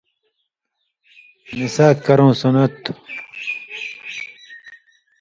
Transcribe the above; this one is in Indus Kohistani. مِساک(مسواک) کَرٶں سنت تھو۔